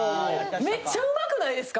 めっちゃ上手くないですか？